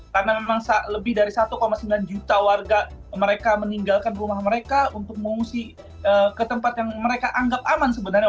karena memang lebih dari satu sembilan juta warga mereka meninggalkan rumah mereka untuk mengungsi ke tempat yang mereka anggap aman sebenarnya